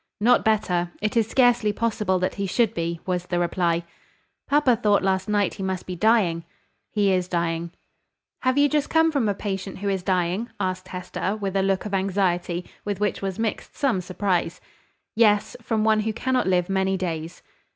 "Not better: it is scarcely possible that he should be," was the reply. "Papa thought last night he must be dying." "He is dying." "Have you just come from a patient who is dying?" asked Hester, with a look of anxiety, with which was mixed some surprise. "Yes: from one who cannot live many days."